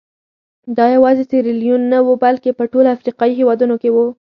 دا یوازې سیریلیون نه وو بلکې په ټولو افریقایي هېوادونو کې وو.